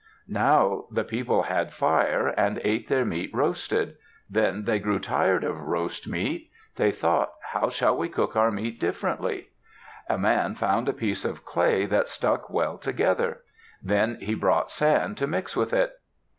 Now the people had fire and ate their meat roasted. Then they grew tired of roast meat. They thought, "How shall we cook our meat differently?" A man found a piece of clay that stuck well together. Then he brought sand to mix with it.